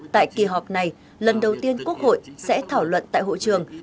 tại kỳ họp này lần đầu tiên quốc hội sẽ thảo luận tại hội trường